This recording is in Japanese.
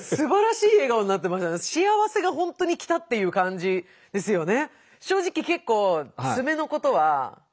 幸せが本当に来たっていう感じですよね。